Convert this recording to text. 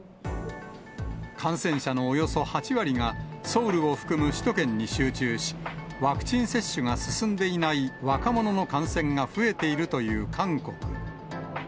感染者のおよそ８割が、ソウルを含む首都圏に集中し、ワクチン接種が進んでいない若者の感染が増えているという韓国。